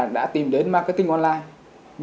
đã tìm đến marketing online